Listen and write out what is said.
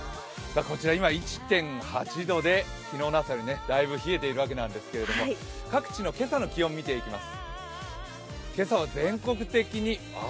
今、１．８度で昨日の朝よりもだいぶ冷えてるわけなんですけど各地の今朝の気温、見ていきます。